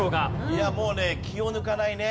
いやもうね気を抜かないね。